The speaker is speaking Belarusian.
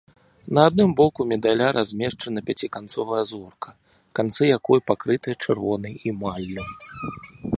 На адным боку медаля размешчана пяціканцовая зорка, канцы якой пакрытыя чырвонай эмаллю.